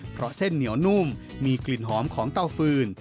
เพราะเส้นเหนียวนุ่มมีกลิ่นหอมของเตาฟืน